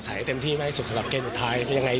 สายในเต็มที่ไม่ให้สุดสำหรับเกมสุดท้าย